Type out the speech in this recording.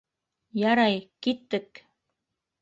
Ярай, киттек!